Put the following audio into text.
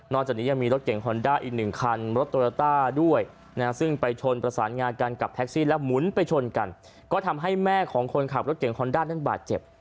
จากนี้ยังมีรถเก่งฮอนด้าอีกหนึ่งคันรถโตโยต้าด้วยนะซึ่งไปชนประสานงากันกับแท็กซี่แล้วหมุนไปชนกันก็ทำให้แม่ของคนขับรถเก่งฮอนด้านั้นบาดเจ็บ